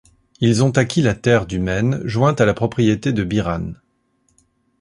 Ils ont acquis la terre du Maine jointe à la propriété de Biran.